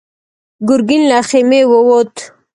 ګرګين له خيمې ووت.